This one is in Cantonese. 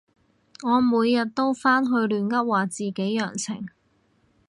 我每日都返去亂噏話自己陽性